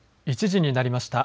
１時になりました。